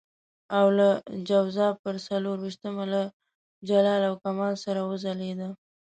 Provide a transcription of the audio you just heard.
او د جوزا پر څلور وېشتمه له جلال او کمال سره وځلېده.